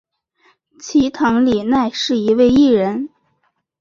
齐藤里奈是一位艺人。